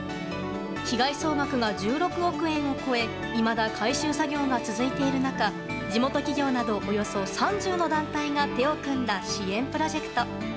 被害総額が１６億円を超えいまだ回収作業が続いている中地元企業などおよそ３０の団体が手を組んだ支援プロジェクト。